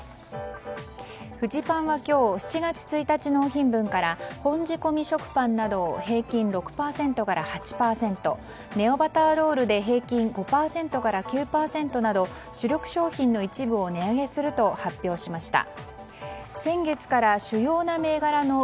フジパンは今日７月１日納品分から本仕込食パンなど平均６％から８％ネオバターロールで平均５％から９％など主力商品の一部を値上げすると発表しました。